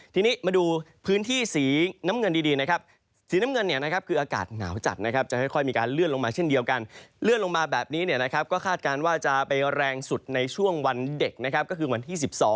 ทีนี้มาดูพื้นที่สีน้ำเงินดีนะครับสีน้ำเงินเนี่ยนะครับคืออากาศหนาวจัดนะครับจะค่อยมีการเลื่อนลงมาเช่นเดียวกันเลื่อนลงมาแบบนี้เนี่ยนะครับก็คาดการณ์ว่าจะไปแรงสุดในช่วงวันเด็กนะครับก็คือวันที่๑๒